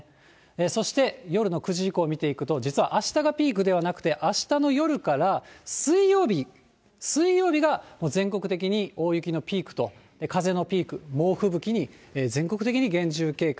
そして夜の９時以降見ていくと、実はあしたがピークではなくて、あしたの夜から水曜日、水曜日が全国的に大雪のピークと、風のピーク、猛吹雪に全国的に厳重警戒。